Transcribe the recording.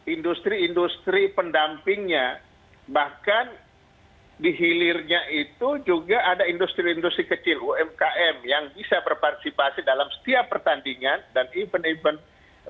industri industri pendampingnya bahkan di hilirnya itu juga ada industri industri kecil umkm yang bisa berpartisipasi dalam setiap pertandingan dan event event